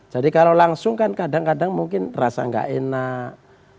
jadi kalau langsung kan kadang kadang mungkin rasa nggak enak